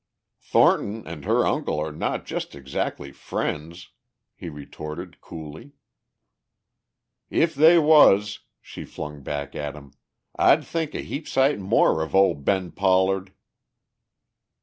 "Thornton and her uncle are not just exactly friends," he retorted coolly. "If they was," she flung back at him, "I'd think a heap sight more of ol' Ben Pollard!"